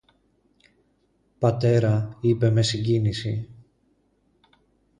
Πατέρα, είπε με συγκίνηση